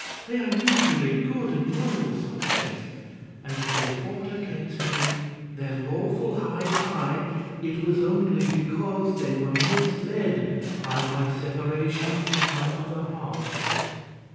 They are usually good and loyal subjects, and if they fought against me their lawful High Ki it was only because they were misled by my separation from my other half."